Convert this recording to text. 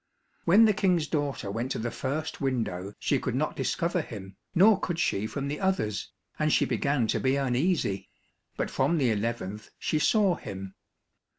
When the King's daughter went to the first window she could not discover him, nor could she from the others, and she began to be uneasy, but from the eleventh she saw him.